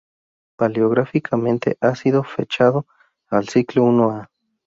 Paleográficamente ha sido fechado al siglo I a.